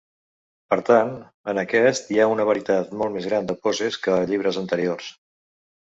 Per tant, en aquest hi ha una varietat molt més gran de poses que a llibres anteriors.